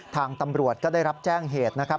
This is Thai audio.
ทางตำรวจก็ได้รับแจ้งเหตุนะครับ